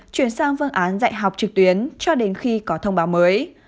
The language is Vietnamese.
chuyển sang phương án dạy học trực tuyến cho đến khi có thông báo mới